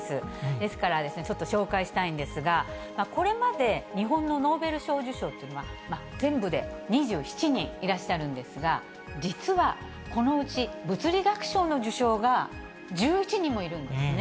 ですから、ちょっと紹介したいんですが、これまで日本のノーベル賞受賞というのは、全部で２７人いらっしゃるんですが、実は、このうち物理学賞の受賞が１１人もいるんですね。